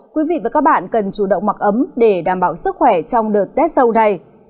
quý vị và các bạn cần chủ động mặc ấm để đảm bảo sức khỏe trong đợt rét sâu này